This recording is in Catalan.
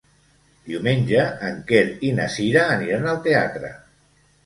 Diumenge en Quer i na Cira aniran al teatre.